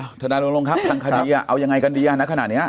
ทนายลงครับทางคดีเอายังไงกันดีอ่ะนะขนาดนี้